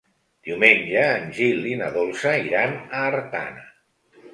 Diumenge en Gil i na Dolça iran a Artana.